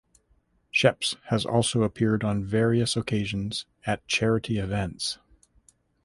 Scheps has also appeared on various occasions at charity events.